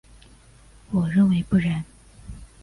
我认为不然。